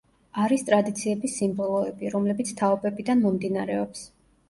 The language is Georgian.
არის ტრადიციების სიმბოლოები, რომლებიც თაობებიდან მომდინარეობს.